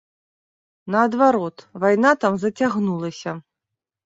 Наадварот, вайна там зацягнулася.